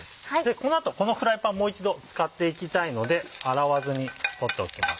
この後このフライパンもう一度使っていきたいので洗わずに取っておきます。